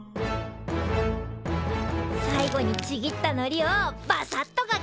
最後にちぎったのりをバサッとかける！